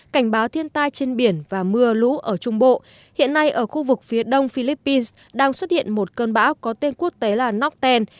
cảnh báo thiên tai trên biển và mưa lũ ở trung bộ hiện nay ở khu vực phía đông philippines đang xuất hiện một cơn bão có tên quốc tế là norkten